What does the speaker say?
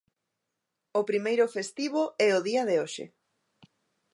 O primeiro festivo é o día de hoxe.